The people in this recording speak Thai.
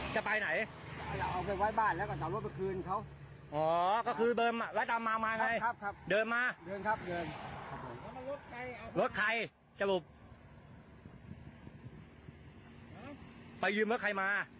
ข้างนี้นะข้างนี้สิลูกชายผมให้